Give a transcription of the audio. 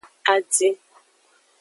Adin.